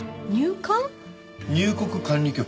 入国管理局。